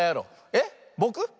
えっぼく？